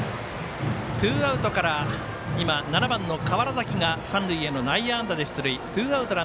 ツーアウトから７番の川原崎が内野安打で出塁。